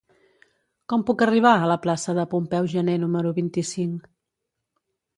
Com puc arribar a la plaça de Pompeu Gener número vint-i-cinc?